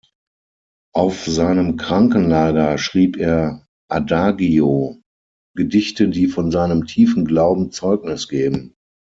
Auf seinem Krankenlager schrieb er "Adagio", Gedichte, die von seinem tiefen Glauben Zeugnis geben.